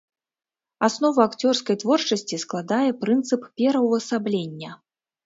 Аснову акцёрскай творчасці складае прынцып пераўвасаблення.